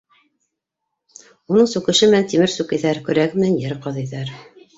Уның сүкеше менән тимер сүкейҙәр, көрәге менән ер ҡаҙыйҙар.